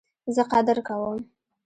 زه قدر کوم